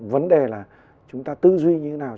vấn đề là chúng ta tư duy như thế nào